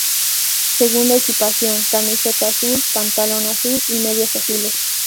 Segunda equipación:camiseta azul, pantalón azul, y medias azules.